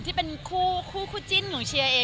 ที่เป็นคู่คู่จิ้นของเชียร์เอง